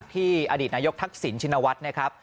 อดีตนายกทักษิณชินวัฒน์นะครับ